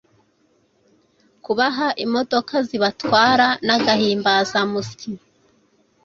kubaha imodoka zibatwara n’agahimbazamusyi